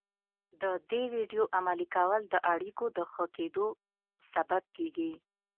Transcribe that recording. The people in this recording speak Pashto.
د دې ويډيو عملي کول د اړيکو د ښه کېدو سبب کېږي.